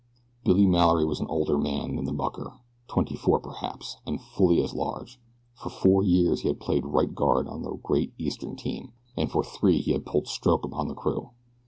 Billy Mallory was an older man than the mucker twenty four perhaps and fully as large. For four years he had played right guard on a great eastern team, and for three he had pulled stroke upon the crew.